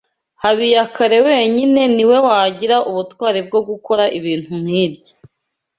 Habiyakare wenyine ni we wagira ubutwari bwo gukora ibintu nkibyo.